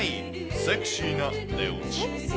セクシーな寝落ち。